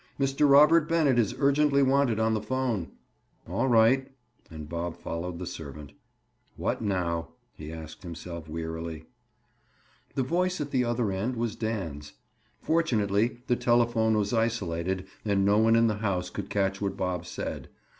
"Mr. Robert Bennett is urgently wanted on the phone." "All right." And Bob followed the servant. "What now?" he asked himself wearily. The voice at the other end was Dan's. Fortunately the telephone was isolated and no one in the house could catch what Bob said.